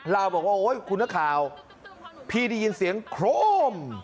เราบอกว่าโอ๊ยคุณนักข่าวพี่ได้ยินเสียงโครม